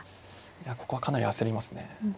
いやここはかなり焦りますね。